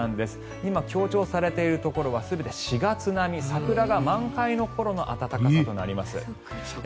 今、強調されているところは全て４月並み桜が満開の頃の暖かさとなります。